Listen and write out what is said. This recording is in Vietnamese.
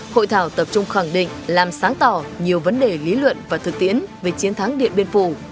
hội thảo tập trung khẳng định làm sáng tỏ nhiều vấn đề lý luận và thực tiễn về chiến thắng điện biên phủ